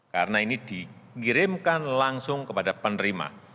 karena ini dikirimkan langsung kepada penerima